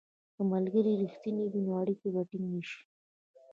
که ملګري رښتیني وي، نو اړیکه به ټینګه شي.